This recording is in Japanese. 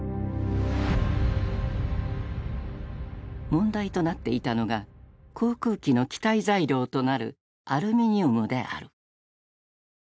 問題となっていたのが航空機の機体材料となるアルミニウムである。